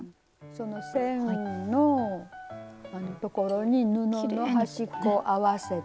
その線のところに布の端っこを合わせて。